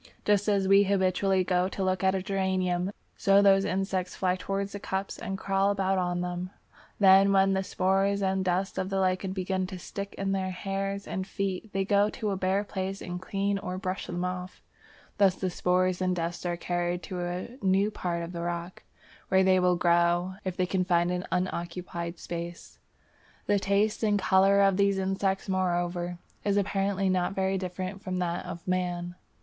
Just as we habitually go to look at a geranium, so those insects fly towards the cups and crawl about on them. Then when the spores and dust of the lichen begin to stick in their hairs and feet, they go to a bare place and clean or brush them off. Thus the spores and dust are carried to a new part of the rock, where they will grow if they can find an unoccupied place. The taste in colour of these insects, moreover, is apparently not very different from that of man.